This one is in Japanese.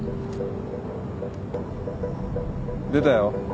出たよ